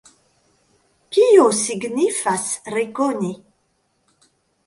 Kio signifas rekoni?